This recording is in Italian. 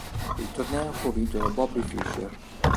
Il torneo fu vinto da Bobby Fischer.